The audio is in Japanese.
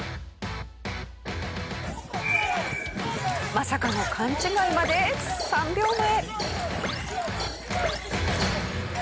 まさかの勘違いまで３秒前。